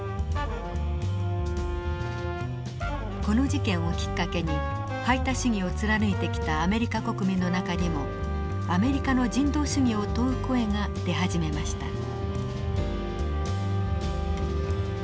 この事件をきっかけに排他主義を貫いてきたアメリカ国民の中にもアメリカの人道主義を問う声が出始めました。